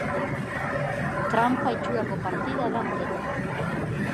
Tranpa itxurako partida da guretzat.